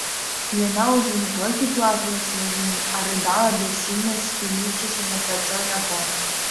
Яна ўжо не толькі плакала слязьмі, а рыдала, бяссільна схіліўшыся на плячо яго.